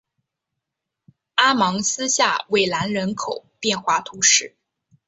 阿芒斯下韦兰人口变化图示